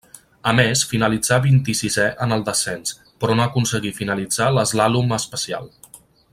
A més finalitzà vint-i-sisè en el descens, però no aconseguí finalitzar l'eslàlom especial.